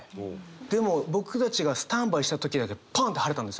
でも僕たちがスタンバイした時だけパンって晴れたんですよ。